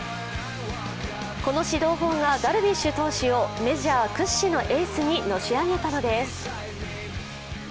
この指導法がダルビッシュ投手をメジャー屈指のエースにのし上げたのです。